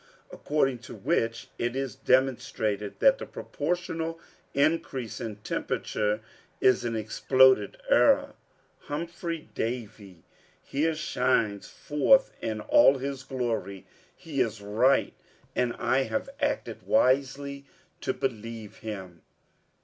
According to which, it is demonstrated that the proportional increase in temperature is an exploded error. Humphry Davy here shines forth in all his glory. He is right, and I have acted wisely to believe him.